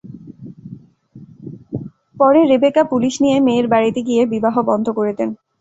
পরে Rebecca police নিয়ে মেয়ের বাড়িতে গিয়ে বিবাহ বন্ধ করে দেন।